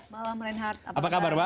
malam reinhard apa kabar mbak